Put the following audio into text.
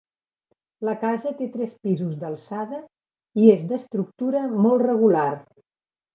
La casa té tres pisos d'alçada i és d'estructura molt regular.